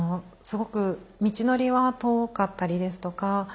すごく道のりは遠かったりですとか